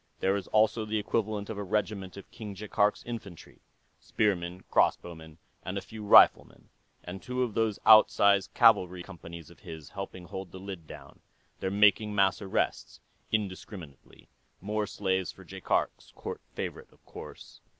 There is also the equivalent of a regiment of King Jaikark's infantry spearmen, crossbowmen, and a few riflemen and two of those outsize cavalry companies of his, helping hold the lid down. They're making mass arrests, indiscriminately. More slaves for Jaikark's court favorite, of course."